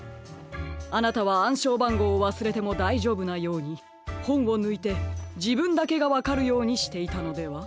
あなたはあんしょうばんごうをわすれてもだいじょうぶなようにほんをぬいてじぶんだけがわかるようにしていたのでは？